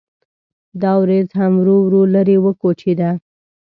دا وریځ هم ورو ورو لرې وکوچېده.